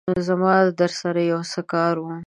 زما درسره يو څه کار وو